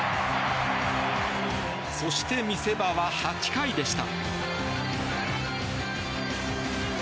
そして、見せ場は８回でした。